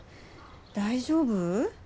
大丈夫？